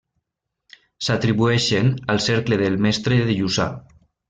S’atribueixen al cercle del Mestre de Lluçà.